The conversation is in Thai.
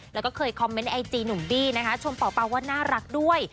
แล้วก็เคยคอมเมนต์ไอจีหนุ่มบี้นะคะชมเป่าว่าน่ารักด้วย